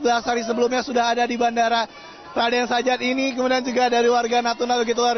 sebelas hari sebelumnya sudah ada di bandara raden sajat ini kemudian juga dari warga natuna begitu luar